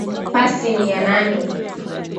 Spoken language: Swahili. Pasi ni ya nani.